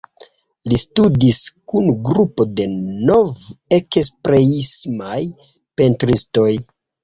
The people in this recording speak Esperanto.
Li studis kun grupo de nov-ekspresiismaj pentristoj.